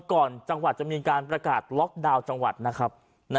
จังหวัดจะมีการประกาศล็อกดาวน์จังหวัดนะครับ